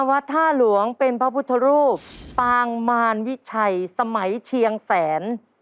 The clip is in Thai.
วัดท่าหลวงเป็นพระพุทธรูปปางมารวิชัยสมัยเชียงแสน